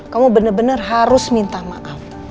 kamu bener bener harus minta maaf